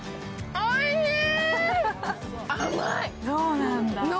おいしい。